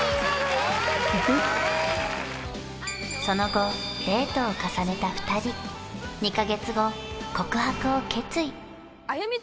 その後デートを重ねた２人２カ月後告白を決意いいの？